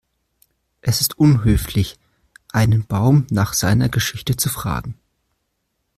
Es ist unhöflich, einen Baum nach seiner Geschichte zu fragen.